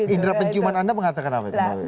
indera penciuman anda mengatakan apa itu mbak wilis